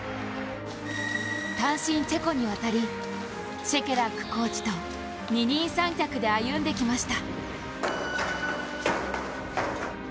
単身チェコに渡り、シェケラックコーチと二人三脚で歩んできました。